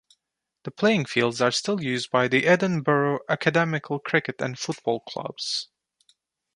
The playing fields are still used by the Edinburgh Academical cricket and football clubs.